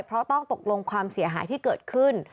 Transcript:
เพราะต้องตกลงความเสียหายที่เกิดขึ้น